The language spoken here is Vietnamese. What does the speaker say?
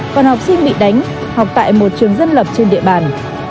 còn học sinh bị đánh học tại một trường dân lập trên địa bàn